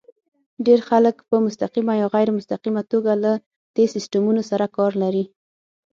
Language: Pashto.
ډېر خلک په مستقیمه یا غیر مستقیمه توګه له دې سیسټمونو سره کار لري.